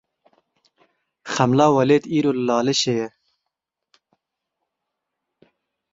Xemla Welêt îro li Laleşê ye.